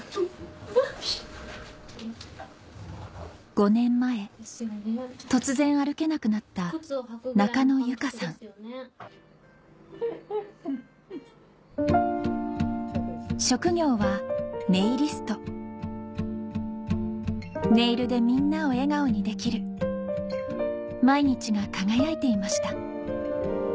５年前突然歩けなくなった職業はネイルでみんなを笑顔にできる毎日が輝いていました